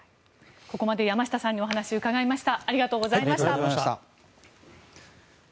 ここまで山下さんにお話を伺いました。